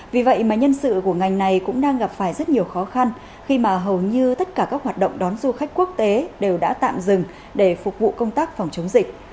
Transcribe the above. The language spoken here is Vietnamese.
vì vậy mà nhân sự của ngành này cũng đang gặp phải rất nhiều khó khăn khi mà hầu như tất cả các hoạt động đón du khách quốc tế đều đã tạm dừng để phục vụ công tác phòng chống dịch